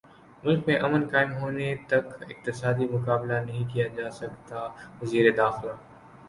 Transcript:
ملک میں امن قائم ہونےتک اقتصادی مقابلہ نہیں کیاجاسکتاوزیرداخلہ